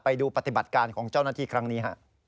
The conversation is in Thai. ไปดูปฏิบัติการของเจ้าหน้าที่ครั้งนี้